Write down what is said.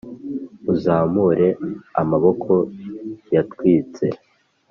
uzamure amaboko yatwitse;